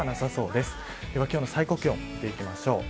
では今日の最高気温見ていきます。